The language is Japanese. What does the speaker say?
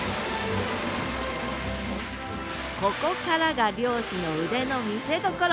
ここからが漁師の腕の見せどころ！